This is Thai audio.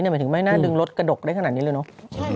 หมายถึงไม่น่าดึงรถกระดกได้ขนาดนี้เลยเนอะ